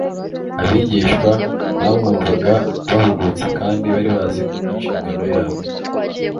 abigishwa bamwumvaga bahugutse kandi bari bazi ko inshingano yabo